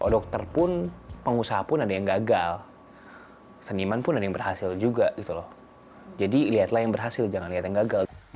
dokter pun pengusaha pun ada yang gagal seniman pun ada yang berhasil juga gitu loh jadi lihatlah yang berhasil jangan lihat yang gagal